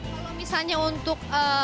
kalau misalnya untuk